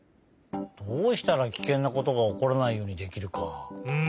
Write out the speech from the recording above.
どうしたらキケンなことがおこらないようにできるか。